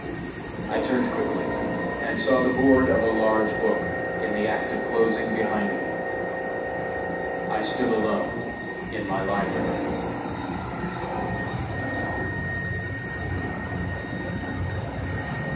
I turned quickly, and saw the board of a large book in the act of closing behind me. I stood alone in my library.